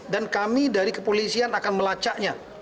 dan kami dari kepolisian akan melacaknya